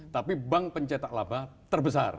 tapi bank pencetak laba terbesar